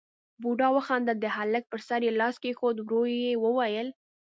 بوډا وخندل، د هلک پر سر يې لاس کېښود، ورو يې وويل: